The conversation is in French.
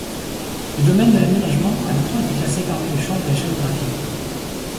Le domaine de l'aménagement a longtemps été classé parmi les champs de la géographie.